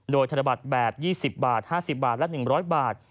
โดยธนบัตรแบบ๒๐บาท๕๐บาทและ๑๐๐บาท